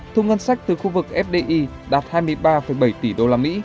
thu ngân sách từ khu vực fdi đạt hai mươi ba bảy tỷ usd